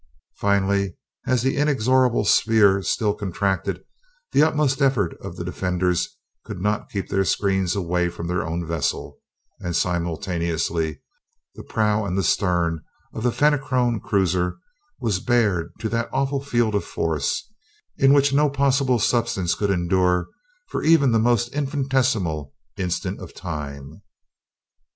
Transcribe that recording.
Finally, as the inexorable sphere still contracted, the utmost efforts of the defenders could not keep their screens away from their own vessel, and simultaneously the prow and the stern of the Fenachrone cruiser was bared to that awful field of force, in which no possible substance could endure for even the most infinitesimal instant of time.